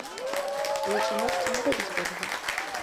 Але чамусьці не робіць гэтага.